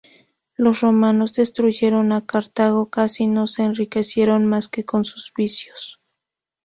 Los romanos, destruyendo a Cartago, casi no se enriquecieron más que con sus vicios.